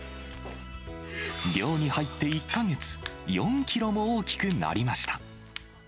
寮に入って１か月、４キロも大きくなりました。